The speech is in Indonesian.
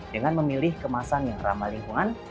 dengan memilih kemasan yang ramah lingkungan